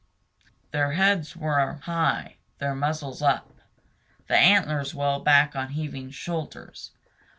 Their heads were high, their muzzles up, the antlers well back on heaving shoulders.